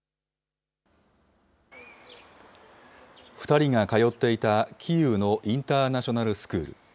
２人が通っていたキーウのインターナショナルスクール。